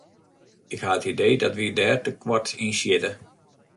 Ik ha it idee dat wy dêr te koart yn sjitte.